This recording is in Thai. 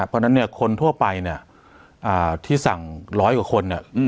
เพราะฉะนั้นเนี่ยคนทั่วไปเนี่ยที่สั่งร้อยกว่าคนเนี่ย